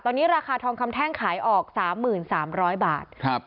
ตอนนี้ราคาทองคำแท่งขายออกสามหมื่นสามร้อยบาทครับ